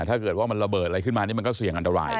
ถ้าเกิดว่ามันระเบิดอะไรขึ้นมานี่มันก็เสี่ยงอันตราย